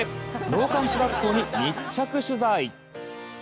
納棺師学校に密着取材！